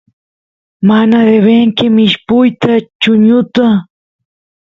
mana debenki mishpuyta chuñuta